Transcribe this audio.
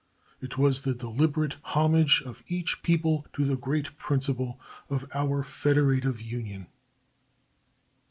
It was the deliberate homage of each people to the great principle of our federative union.